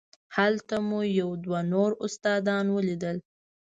هلته مو یو دوه نور استادان ولیدل.